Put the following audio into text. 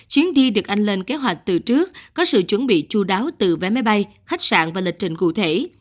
chuyến đi được anh lên kế hoạch từ trước có sự chuẩn bị chú đáo từ vé máy bay khách sạn và lịch trình cụ thể